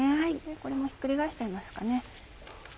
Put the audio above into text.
これもひっくり返しちゃいますかね。